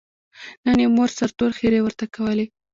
نن یې مور سرتور ښېرې ورته کولې.